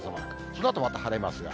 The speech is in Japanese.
そのあと、また晴れますが。